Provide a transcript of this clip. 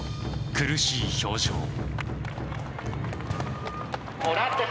苦しい表情。